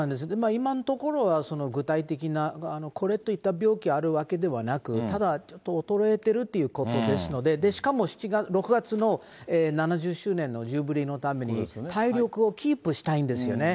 今のところは具体的な、これといった病気があるわけではなく、ただちょっと衰えてるということですので、しかも６月の７０周年の準備のために体力をキープしたいんですよね。